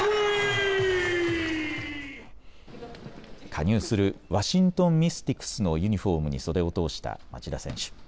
加入するワシントン・ミスティクスのユニフォームに袖を通した町田選手。